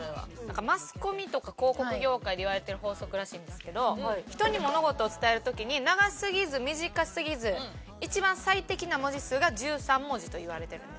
マスコミとか広告業界でいわれてる法則らしいんですけど人に物事を伝える時に長すぎず短すぎず一番最適な文字数が１３文字といわれてるんです。